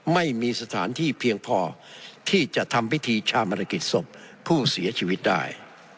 ไม่มีสถานที่เพียงพอที่จะทำพิธีชามรกิจศพผู้เสียชีวิตได้